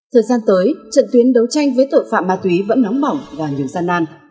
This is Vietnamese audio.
thời gian tới trận tuyến đấu tranh với tội phạm ma túy vẫn nóng bỏng và nhiều gian nan